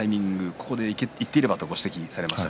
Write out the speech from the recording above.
ここでいっていればとご指摘がありました。